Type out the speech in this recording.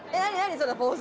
そのポーズ。